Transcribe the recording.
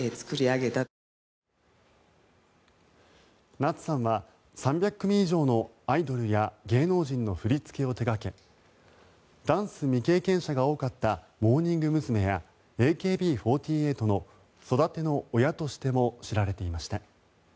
夏さんは３００組以上のアイドルや芸能人の振り付けを手掛けダンス未経験者が多かったモーニング娘。やＡＫＢ４８の育ての親としても知られていました。